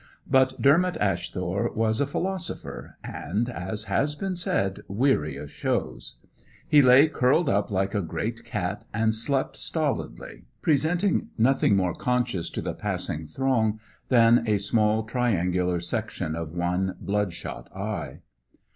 But Dermot Asthore was a philosopher, and, as has been said, weary of shows. He lay curled, like a great cat, and slept stolidly, presenting nothing more conscious to the passing throng than a small triangular section of one blood shot eye.